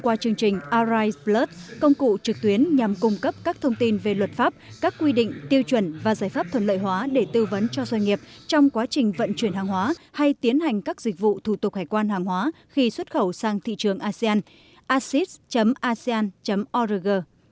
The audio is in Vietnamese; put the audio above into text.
qua chương trình arise plus công cụ trực tuyến nhằm cung cấp các thông tin về luật pháp các quy định tiêu chuẩn và giải pháp thuận lợi hóa để tư vấn cho doanh nghiệp trong quá trình vận chuyển hàng hóa hay tiến hành các dịch vụ thủ tục hải quan hàng hóa khi xuất khẩu sang thị trường asean acis asean org